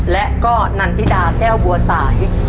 และก็นันทิดาแก้วบัวสาย